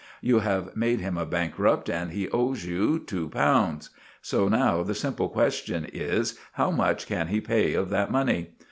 You have made him a bankrupt and he owes you two pounds; so now the simple question is how much can he pay of that money?